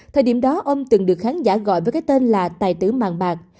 thời điểm đó ông từng được khán giả gọi với cái tên là tài tử màng bạc